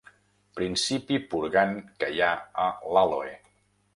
Principi purgant que hi ha a l'àloe.